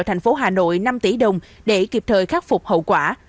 tp hcm năm tỷ đồng để kịp thời khắc phục hậu quả